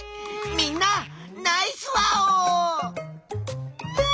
みんなナイスワオ！